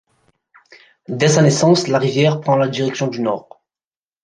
Dès sa naissance, la rivière prend la direction du nord.